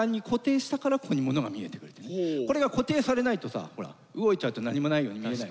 これが固定されないとさほら動いちゃうと何もないように見えない。